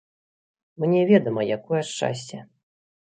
Мне ведама, якое шчасце.